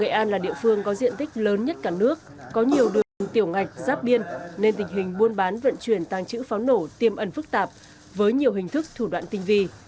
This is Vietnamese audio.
nghệ an là địa phương có diện tích lớn nhất cả nước có nhiều đường tiểu ngạch giáp biên nên tình hình buôn bán vận chuyển tàng trữ pháo nổ tiêm ẩn phức tạp với nhiều hình thức thủ đoạn tinh vi